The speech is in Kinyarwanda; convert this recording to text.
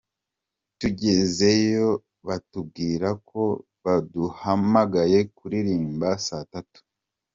Tugezeyo batubwira ko baduhamagaye kuririmba saa tatu.